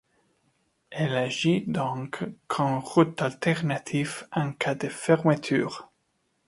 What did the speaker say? Elle agit donc comme route alternative en cas de fermeture.